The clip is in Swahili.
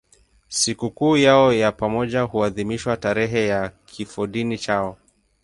Sikukuu yao ya pamoja huadhimishwa tarehe ya kifodini chao.